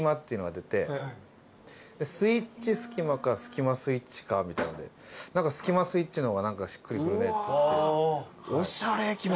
スイッチスキマかスキマスイッチかみたいなのでスキマスイッチの方がしっくりくるねって。